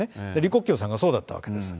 李克強さんがそうだったわけなんです。